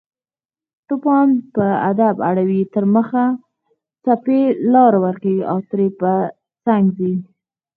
توپان په ادب اړوي تر مخه، څپې لار ورکوي او ترې په څنګ ځي